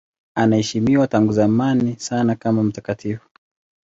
Anaheshimiwa tangu zamani sana kama mtakatifu.